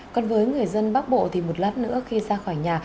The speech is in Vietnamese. còn với người dân bắc bộ thì một lát nữa khi ra khỏi nhà